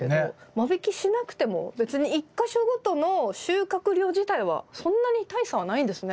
間引きしなくても別に１か所ごとの収穫量自体はそんなに大差はないんですね。